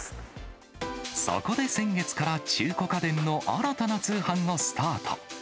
そこで先月から、中古家電の新たな通販をスタート。